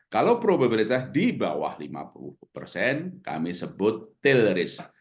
kalau probabilitas di bawah lima puluh persen kami sebut tel risk